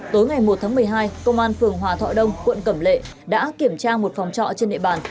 tối ngày một tháng một mươi hai công an phường hòa thọ đông quận cẩm lệ đã kiểm tra một phòng trọ trên địa bàn